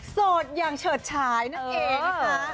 สดอย่างเฉิดฉายนั่นเองนะคะ